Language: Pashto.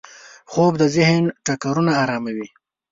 خوب د ذهن ټکرونه اراموي